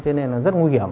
thế nên là rất nguy hiểm